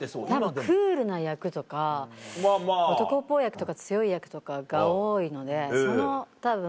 たぶんクールな役とか男っぽい役とか強い役とかが多いのでそのたぶん。